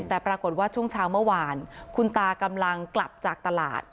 แต่ปรากฏว่าช่วงเช้าเมื่อวานคุณตากำลังกลับจากตลาด